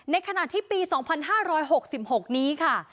ในขณะที่ปี๒๕๖๖นี้ค่ะ